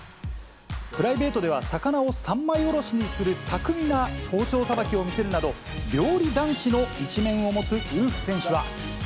プライベートでは魚を三枚おろしにする巧みな包丁さばきを見せるなど、料理男子の一面を持つウルフ選手は。